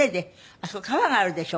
あそこ川があるでしょ？